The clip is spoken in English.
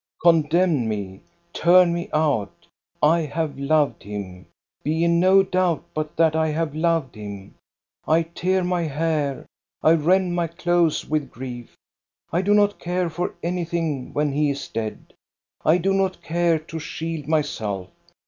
'* Condemn me, turn me out ! I have loved him. Be in no doubt but that I have loved him ! I tear my hair, I rend my clothes with grief. I do not care for anything when he is dead. I do not care to shield myself.